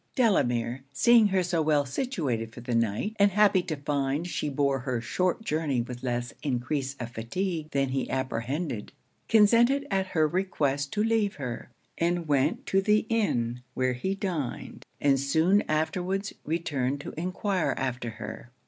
Delamere, seeing her so well situated for the night, and happy to find she bore her short journey with less increase of fatigue than he apprehended, consented at her request to leave her, and went to the inn, where he dined, and soon afterwards returned to enquire after her.